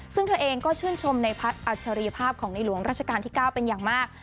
ซึ่งเธอเองก็ชื่นชมในอัจฉริยภาพของในหลวงราชการที่๙เป็นอย่างมาก